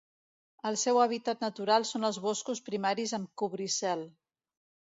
El seu hàbitat natural són els boscos primaris amb cobricel.